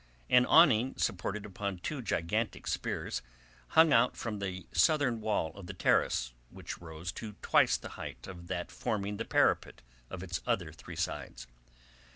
An awning supported upon two gigantic spears hung out from the southern wall of the terrace which rose to twice the height of that forming the parapet on its other three sides.